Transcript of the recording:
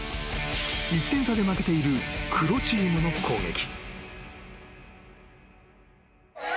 ［１点差で負けている黒チームの攻撃］